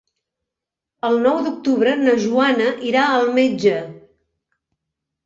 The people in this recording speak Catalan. El nou d'octubre na Joana irà al metge.